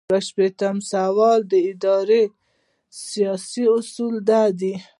شپږ شپیتم سوال د ادارې اساسي اصول دي.